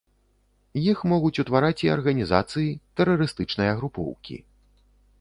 Іх могуць утвараць і арганізацыі тэрарыстычныя групоўкі.